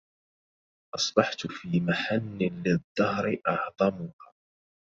أصبحت في محن للدهر أعظمها